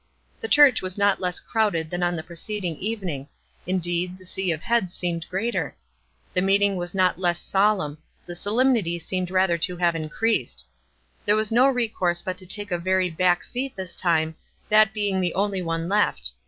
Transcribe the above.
The church was not less crowded than on the preceding evening — indeed, the sea of heads seemed greater. The meeting was not less sol emn ; the solemnity seemed rather to have in creased. There was no recourse but to take a very back seat this time, that being the only one left.